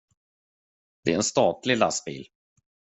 Det är en statlig lastbil.